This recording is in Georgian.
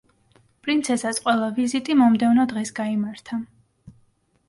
პრინცესას ყველა ვიზიტი მომდევნო დღეს გაიმართა.